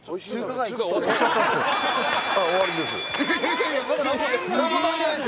終わりです。